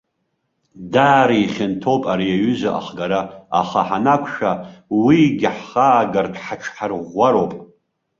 Даара ихьанҭоуп ари аҩыза ахгара, аха ҳанақәшәа уигьы ҳхаагартә ҳаҽҳарӷәӷәароуп.